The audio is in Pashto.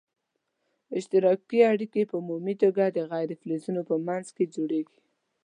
اشتراکي اړیکي په عمومي توګه د غیر فلزونو په منځ کې جوړیږي.